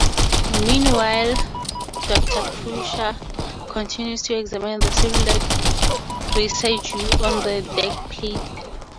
Meanwhile, Doctor Crusher continues to examine the cellular residue found on the deckplate.